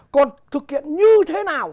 còn thực hiện như thế nào